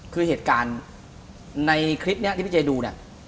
คือเหตุการณ์ในคลิปนี้ที่พี่เจดูเนี่ย